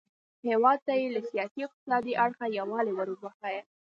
هیواد ته یې له سیاسي او اقتصادي اړخه یووالی وروباښه.